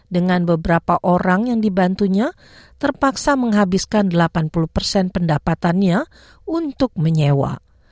dengan beberapa orang yang dibantunya terpaksa menghabiskan delapan puluh pendapatannya untuk menyewa